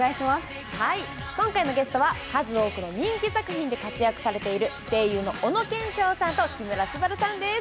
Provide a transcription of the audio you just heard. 今回のゲストは数多くの人気作品で活躍されている声優の小野賢章さんと木村昴さんです。